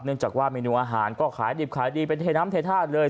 จากว่าเมนูอาหารก็ขายดิบขายดีเป็นเทน้ำเทท่าเลย